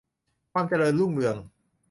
ความเจริญรุ่งเรือง